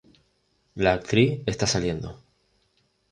La actriz está saliendo.